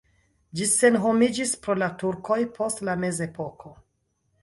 Ĝi senhomiĝis pro la turkoj post la mezepoko.